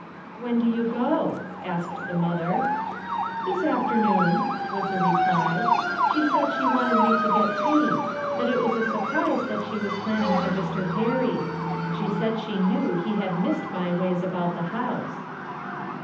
" When do you go ?" asked the mother. " This afternoon," was the reply. " She said she wanted me to get tea ; that it was a surprise that she was planning for Mr. Perry. She said she knew he had missed my ways about the house."